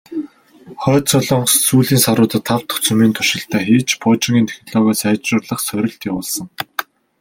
Хойд Солонгос сүүлийн саруудад тав дахь цөмийн туршилтаа хийж, пуужингийн технологио сайжруулах сорилт явуулсан.